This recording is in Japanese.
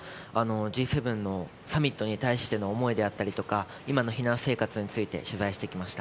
Ｇ７のサミットに対しての思いであったりとか、今の避難生活について、取材してきました。